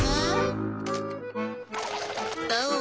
どう？